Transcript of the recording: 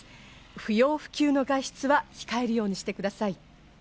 不要不急の外出は控えるようにしてください。